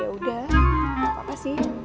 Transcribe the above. ya udah gak apa apa sih